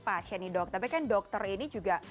pasien nih dok tapi kan dokter ini juga